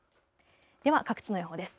では各地の予報です。